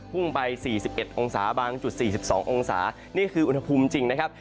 ่งไป๔๑องศาบางจุด๔๒องศานี่คืออุณหภูมิจริงนะครับ